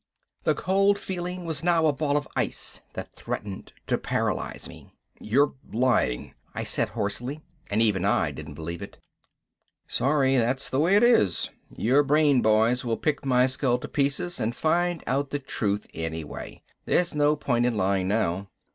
The cold feeling was now a ball of ice that threatened to paralyze me. "You're lying," I said hoarsely, and even I didn't believe it. "Sorry. That's the way it is. Your brain boys will pick my skull to pieces and find out the truth anyway. There's no point in lying now."